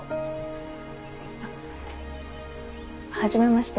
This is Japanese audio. あっはじめまして。